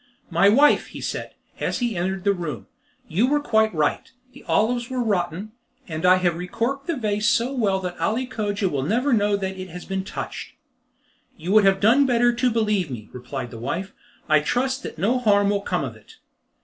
"My wife," he said, as he entered the room, "you were quite right; the olives are rotten, and I have recorked the vase so well that Ali Cogia will never know it has been touched." "You would have done better to believe me," replied the wife. "I trust that no harm will come of it."